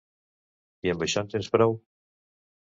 I amb això en tens prou?